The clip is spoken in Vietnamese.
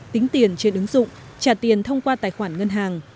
tính tiền trên ứng dụng trả tiền thông qua tài khoản ngân hàng